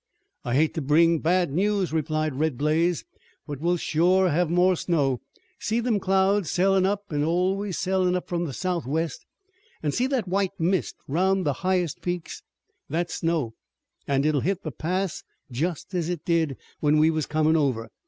"I hate to bring bad news," replied Red Blaze, "but we'll shore have more snow. See them clouds, sailin' up an' always sailin' up from the southwest, an' see that white mist 'roun' the highest peaks. That's snow, an' it'll hit the pass just as it did when we was comin' over.